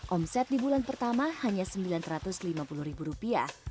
omset di bulan pertama hanya sembilan ratus lima puluh ribu rupiah